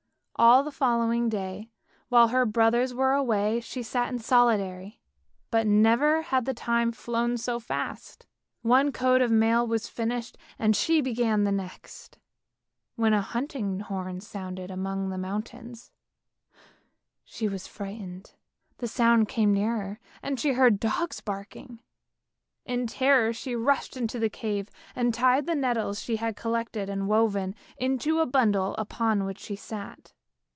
All the following day while her brothers were away she sat solitary, but never had the time flown so fast. One coat of mail was finished and she began the next. Then a hunting horn sounded among the mountains; she was much frightened, the sound came nearer, and she heard dogs barking. In terror she rushed into the cave and tied the nettles she had collected and woven, into a bundle upon which she sat.